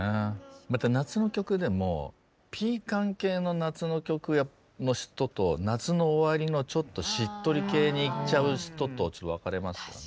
また夏の曲でもピーカン系の夏の曲の人と夏の終わりのちょっとしっとり系にいっちゃう人と分かれますよね。